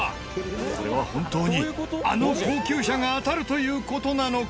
これは本当にあの高級車が当たるという事なのか？